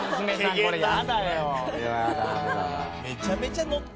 めちゃめちゃノ